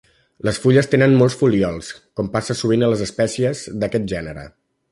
Les fulles tenen molts folíols com passa sovint a les espècies d'aquest gènere.